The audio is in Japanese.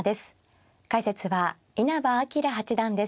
解説は稲葉陽八段です。